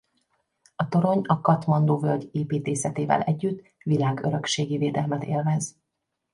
A torony a Katmandu-völgy építészetével együtt világörökségi védelmet élvez.